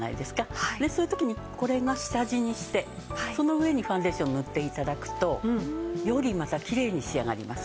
そういう時にこれを下地にしてその上にファンデーションを塗って頂くとよりまたきれいに仕上がります。